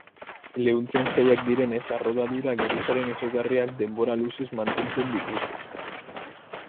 Leuntzen zailak direnez arrodadura-geruzaren ezaugarriak denbora luzez mantentzen dituzte.